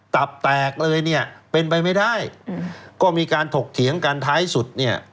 ตับแตกเลยเนี่ยเป็นไปไม่ได้ก็มีการถกเถียงกันท้ายสุดเนี่ย